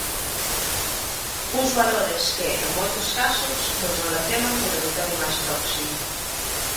Uns valores que, en moitos casos, nos relacionan co territorio máis próximo.